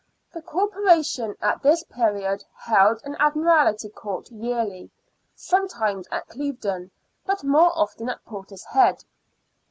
The Corpora tion at this period held an Admiralty Court yearly, sometimes at Clevedon, but more often at Portishead.